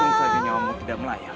hanya sebabnya kamu tidak melayang